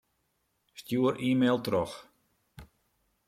Stjoer e-mail troch.